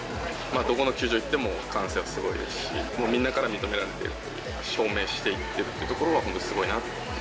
どこの球場行っても、歓声がすごいですし、もうみんなから認められている、証明していってるっていうのが本当すごいなって。